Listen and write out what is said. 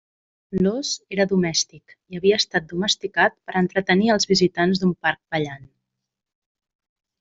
L'ós era domèstic i havia estat domesticat per entretenir als visitants d'un parc ballant.